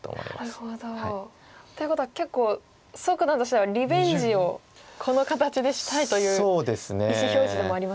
なるほど。ということは結構蘇九段としてはリベンジをこの形でしたいという意思表示でもありますか？